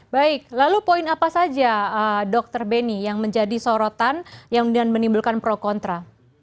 baik lalu poin apa saja dr beni yang menjadi sorotan yang menimbulkan pro kontra